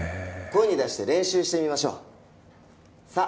声に出して練習してみましょう「さ」